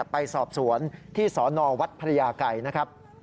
ไปสอบสวนที่สนวัดพระยาไกรนะครับ